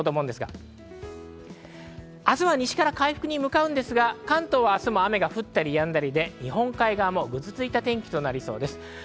明日は西から回復に向かうんですが、関東は明日も雨が降ったりやんだり、日本海側もぐずついた天気となりそうです。